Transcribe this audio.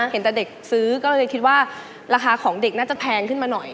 เห็นแต่เด็กซื้อก็เลยคิดว่าราคาของเด็กน่าจะแพงขึ้นมาหน่อย